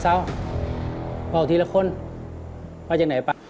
สาวบอกทีละคนว่าอย่างไหนป่ะ